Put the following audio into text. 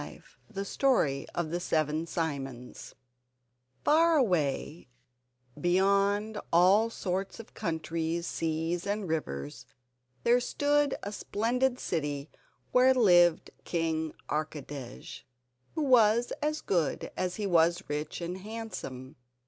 ] The Story of the Seven Simons Far, far away, beyond all sorts of countries, seas and rivers, there stood a splendid city where lived King Archidej, who was as good as he was rich and handsome.